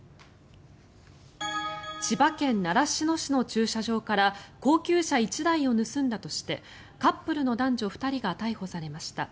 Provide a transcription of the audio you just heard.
千葉県習志野市の駐車場から高級車１台を盗んだとしてカップルの男女２人が逮捕されました。